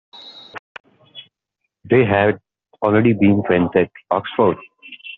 They had already been friends at Oxford.